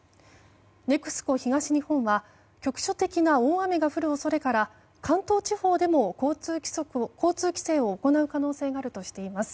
ＮＥＸＣＯ東日本は局所的な大雨が降る恐れから関東地方でも交通規制を行う可能性があるとしています。